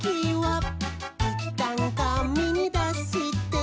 「いったんかみに出して」